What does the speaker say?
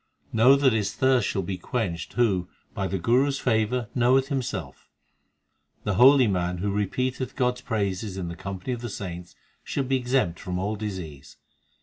4 Know that his thirst shall be quenched Who by the Guru s favour knoweth himself. The holy man who repeatcth God s praises in the company of the saints, Shall be exempt from all disease.